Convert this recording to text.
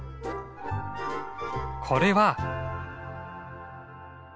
これは。